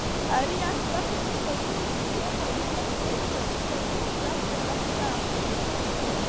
Ари ас баша исывагылоу џьушьома, – иҳәан Гоча, ивагылаз абџьар арахь даахеит.